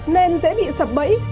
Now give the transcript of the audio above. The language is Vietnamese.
nên dễ bị sập bẫy